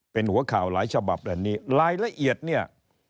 เป็นหัวข่าวหลายฉบับแบบนี้รายละเอียดเนี่ย